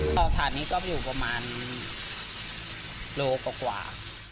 สถานนี้ก็อยู่ประมาณโลกว่า